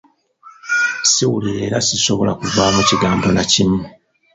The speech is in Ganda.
Siwulira era sisobola kuvaamu kigambo na kimu.